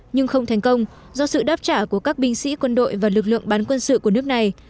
nhưng không thành công do sự đáp trả của các binh sĩ quân đội và lực lượng bán quân sự của nước này